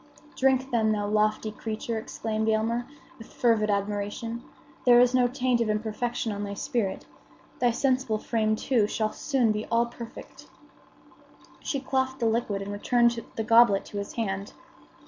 "Drink, then, thou lofty creature!" exclaimed Aylmer, with fervid admiration. "There is no taint of imperfection on thy spirit. Thy sensible frame, too, shall soon be all perfect." She quaffed the liquid and returned the goblet to his hand.